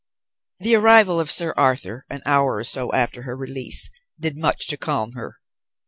The arrival of Sir Arthur, an hour or so after her release, did much to calm her.